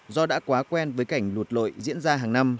do đã quá quen với cảnh lụt lội diễn ra hàng năm